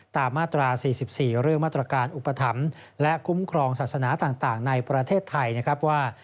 มาตรา๔๔เรื่องมาตรการอุปถัมภ์และคุ้มครองศาสนาต่างในประเทศไทยนะครับว่า